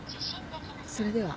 それでは。